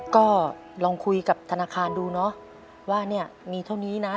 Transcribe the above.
ก็ลองคุยกับธนาคารดูเนอะว่าเนี่ยมีเท่านี้นะ